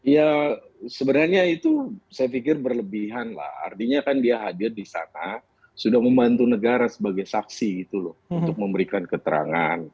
ya sebenarnya itu saya pikir berlebihan lah artinya kan dia hadir di sana sudah membantu negara sebagai saksi gitu loh untuk memberikan keterangan